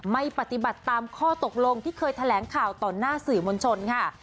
ไม่ปฏิบัติตามข้อตกลงที่เคยแถลงข่าวต่อหน้าสื่อมวลชนค่ะ